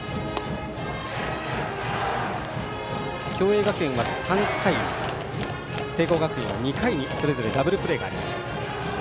共栄学園は３回聖光学院は２回にそれぞれダブルプレーがありました。